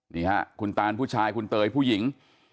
นี่ฮะคุณตานผู้ชายคุณเตยผู้หญิง